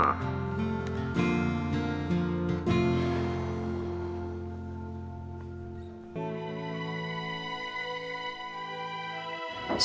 di rumah sakitnya